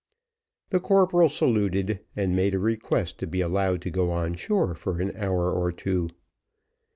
The corporal saluted, and made a request to be allowed to go on shore for an hour or two.